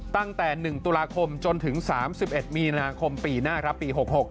ตั้งแต่๑ตุลาคมจนถึง๓๑มีนาคมปีหน้าครับปี๖๖